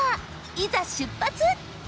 いざ出発！